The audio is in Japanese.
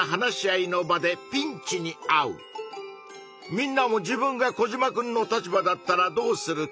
みんなも自分がコジマくんの立場だったらどうするか？